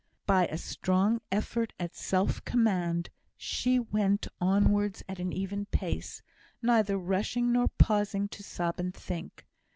By a strong effort at self command, she went onwards at an even pace, neither rushing nor pausing to sob and think.